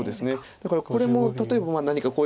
だからこれも例えば何かこういう。